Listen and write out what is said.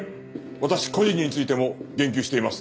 私個人についても言及しています。